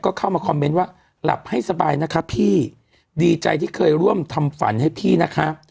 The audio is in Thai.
ก็เข้ามาคอมเมนต์ว่าหลับให้สบายนะคะพี่ดีใจที่เคยร่วมทำฝันให้พี่นะคะ